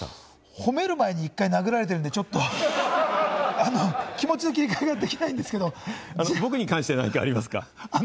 褒める前に１回殴られてるんで、ちょっと、気持ちの切り替えができないんで僕に関して何かありますか？